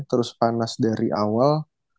terus panas dari awal